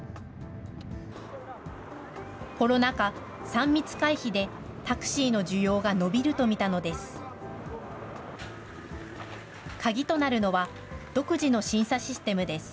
コロナ禍、３密回避でタクシーの需要が伸びると見たのです。